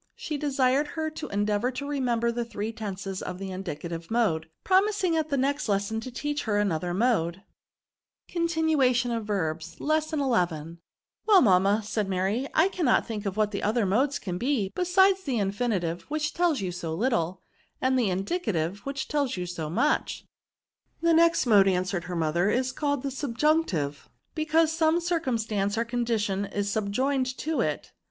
She desired her to endeavour to remember the three tenses of the indicative mode, promising at their next lesson to teach her another mode. VERBS. S2l CONTINUATION OF VERBS. Lesson XI. Well, mamma," said Mary, " I cannot think what the other modes can be, besides the infinitive, which tells you so little, and the indicative, which tells you so much/* " The next mode," answered her mother, is called the Subjunctive, because some circum stance or condition is subjoined to it.